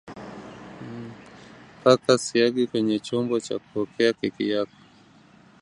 Paka siagi kwenye chombo cha kuokea keki yako